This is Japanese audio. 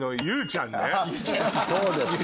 そうです。